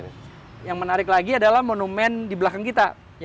yang menarik lagi adalah monumen di belakang kita